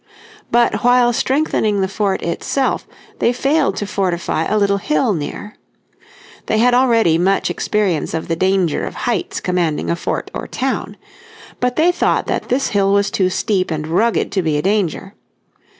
But while strengthening the fort itself they failed to fortify a little hill near. They had already much experience of the danger of heights commanding a town or fort. But they thought that this hill was too steep and rugged to be a danger.